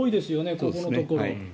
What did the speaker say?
ここのところ。